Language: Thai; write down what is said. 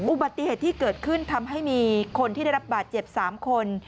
อุบัติเหตุที่เกิดขึ้นทำให้มีคนที่ได้รับบาดเจ็บ๓คน